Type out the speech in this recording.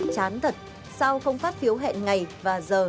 chán thật sau không phát phiếu hẹn ngày và giờ